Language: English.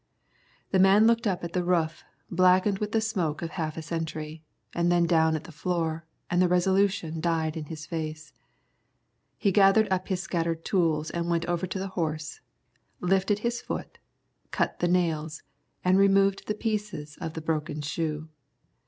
The man looked up at the roof, blackened with the smoke of half a century, and then down at the floor, and the resolution died in his face. He gathered up his scattered tools and went over to the horse, lifted his foot, cut the nails, and removed the pieces of broken shoe.